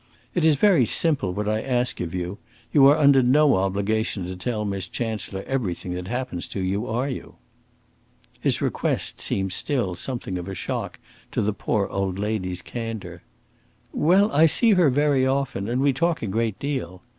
"It is very simple, what I ask of you. You are under no obligation to tell Miss Chancellor everything that happens to you, are you?" His request seemed still something of a shock to the poor old lady's candour. "Well, I see her very often, and we talk a great deal.